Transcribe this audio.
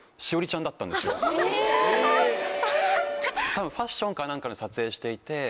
多分ファッションか何かの撮影していて。